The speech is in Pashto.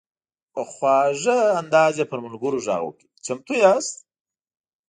په خواږه انداز یې پر ملګرو غږ وکړ: "چمتو یاست؟"